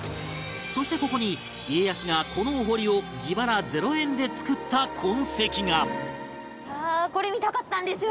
そしてここに家康がこのお堀を自腹０円で造った痕跡がハハハハ！